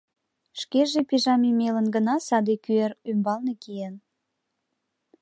Шкеже пижаме мелын гына саде кӱэр ӱмбалне киен.